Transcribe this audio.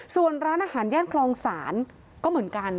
ส่วนร้านอาหารย่านคลองศาลก็เหมือนกัน